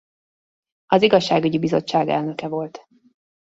Az igazságügyi bizottság elnöke volt.